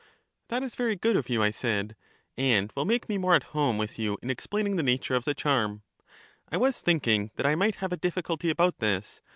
That is very good of you, I said; and will make me more at home with you in explaining the nattire of the charm; I was thinking that I might have a difficulty about this.